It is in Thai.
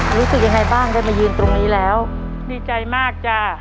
รู้สึกยังไงบ้างได้มายืนตรงนี้แล้วดีใจมากจ้า